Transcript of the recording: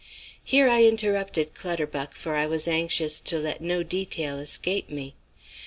Here I interrupted Clutterbuck, for I was anxious to let no detail escape me.